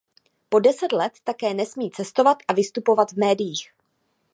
Po deset let také nesmí cestovat a vystupovat v médiích.